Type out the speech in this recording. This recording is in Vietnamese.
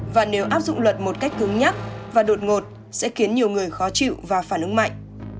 và nếu áp dụng luật một cách cứng nhắc và đột ngột sẽ khiến nhiều người khó chịu và phản ứng mạnh